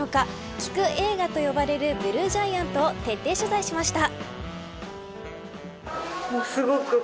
聴く映画と呼ばれるＢＬＵＥＧＩＡＮＴ徹底取材しました。